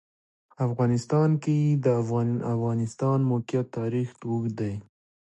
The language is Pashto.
په افغانستان کې د د افغانستان د موقعیت تاریخ اوږد دی.